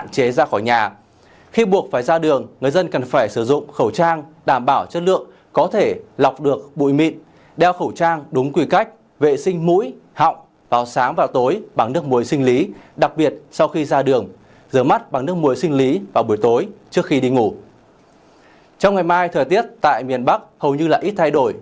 trong ngày mai thời tiết tại miền bắc hầu như là ít thay đổi